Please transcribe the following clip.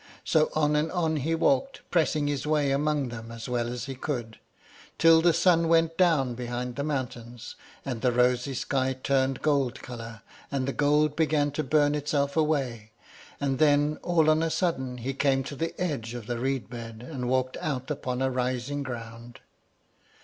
So on and on he walked, pressing his way among them as well as he could, till the sun went down behind the mountains, and the rosy sky turned gold color, and the gold began to burn itself away, and then all on a sudden he came to the edge of the reed bed, and walked out upon a rising ground.